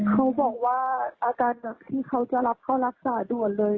เขาบอกว่าอาการหนักที่เขาจะรับเข้ารักษาด่วนเลย